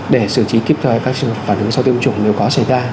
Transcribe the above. để xử trí kịp thời các phản ứng sau tiêm chủ nếu có xảy ra